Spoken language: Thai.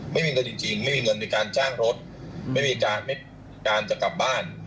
ไม่มีเงินจริงไม่มีเงินในการจ้างรถไม่มีการจะกลับบ้าน